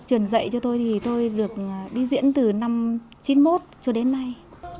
truyền dạy cho tôi thì tôi được đi diễn từ năm chín mươi một cho đến nay